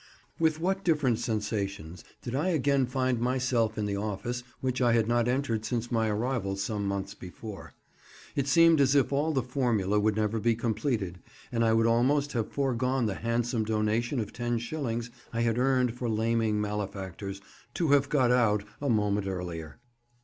With what different sensations did I again find myself in the office which I had not entered since my arrival some months before. It seemed as if all the formula would never be completed, and I would almost have foregone the handsome donation of ten shillings I had earned for laming malefactors to have got out a moment earlier.